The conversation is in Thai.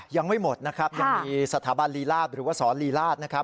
ยังไม่หมดนะครับยังมีสถาบันรีลาศหรือว่าสอนรีลาศ